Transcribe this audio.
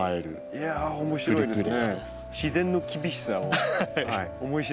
いや面白いですね。